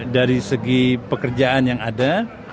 dari segi pekerjaan yang ada